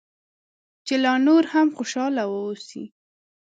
چې لا نور هم خوشاله واوسې.